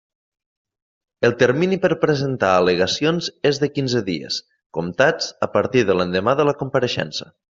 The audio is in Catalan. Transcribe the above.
El termini per presentar al·legacions és de quinze dies, comptats a partir de l'endemà de la compareixença.